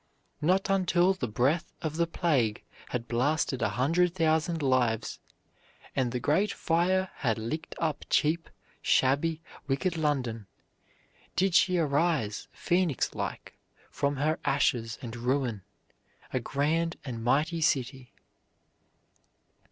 Not until the breath of the plague had blasted a hundred thousand lives, and the great fire had licked up cheap, shabby, wicked London, did she arise, phoenix like, from her ashes and ruin, a grand and mighty city.